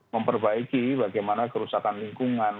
memperbaiki bagaimana kerusakan lingkungan